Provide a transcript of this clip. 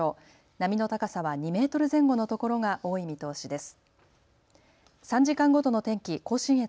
波の高さは２メートル前後のところが多い見通しです。